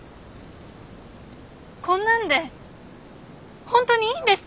こんなんで本当にいいんですか？